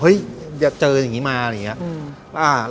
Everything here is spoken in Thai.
อย่าเจออย่างนี้มาอะไรอย่างนี้